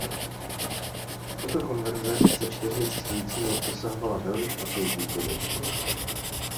Tato konverze se čtyřmi cestujícími dosahovala velmi špatných výkonů.